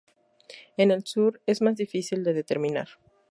En el Sur es más difícil de determinar.